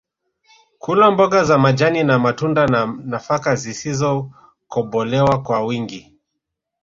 Kula mboga za majani na matunda na nafaka zisizokobolewa kwa wingi